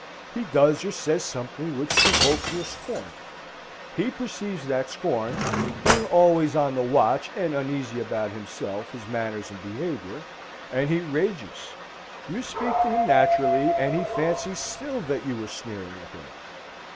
He does or says something which provokes your scorn. He perceives that scorn (being always on the watch, and uneasy about himself, his manners and behaviour) and he rages. You speak to him naturally, and he fancies still that you are sneering at him.